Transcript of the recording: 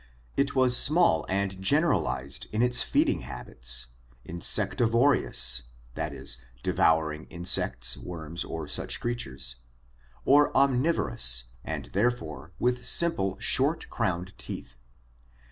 It was small and generalized in its feeding habits, insectivorous (that is, devouring insects, worms or such creatures) or omnivorous and therefore with simple short crowned teeth.